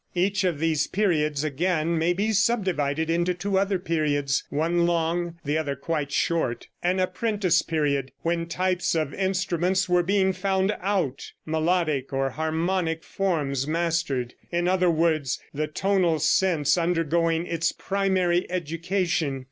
Each of these periods, again, may be subdivided into two other periods, one long, the other quite short an Apprentice Period, when types of instruments were being found out, melodic or harmonic forms mastered; in other words, the tonal sense undergoing its primary education.